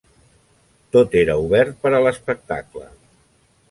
Tot era obert per a l'espectacle.